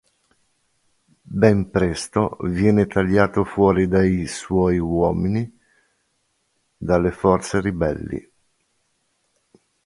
Ben presto viene tagliato fuori dai suoi uomini dalle forze ribelli.